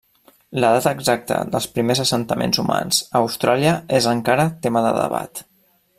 La data exacta dels primers assentaments humans a Austràlia és encara tema de debat.